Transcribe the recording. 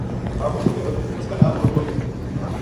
بابو کو ڈیرو تھو اس کے نال ہور کوئی نیہہ تھو